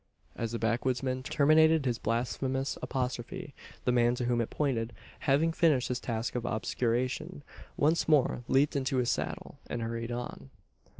As the backwoodsman terminated his blasphemous apostrophe, the man to whom it pointed, having finished his task of obscuration, once more leaped into his saddle, and hurried on.